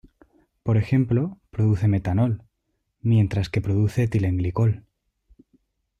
Por ejemplo, produce metanol, mientras que produce etilenglicol.